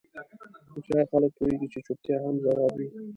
هوښیار خلک پوهېږي چې چوپتیا هم ځواب وي.